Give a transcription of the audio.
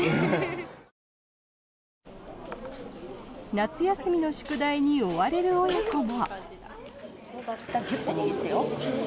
夏休みの宿題に追われる親子も。